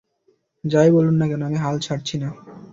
যাই বলুন না কেন, আমি হাল ছাড়ছি না!